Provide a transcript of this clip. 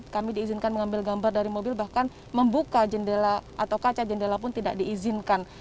kami diizinkan mengambil gambar dari mobil bahkan membuka jendela atau kaca jendela pun tidak diizinkan